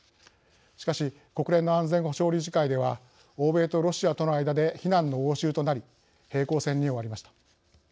しかし国連の安全保障理事会では欧米とロシアとの間で非難の応酬となり平行線に終わりました。